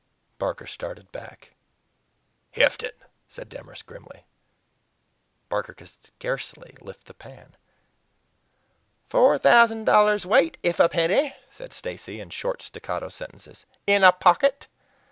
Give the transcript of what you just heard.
Barker started back. "Heft it!" said Demorest grimly. Barker could scarcely lift the pan! "Four thousand dollars' weight if a penny!" said Stacy, in short staccato sentences. "In a pocket!